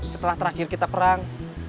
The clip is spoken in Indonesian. setelah terakhir kita perang